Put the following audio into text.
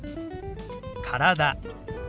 「体」。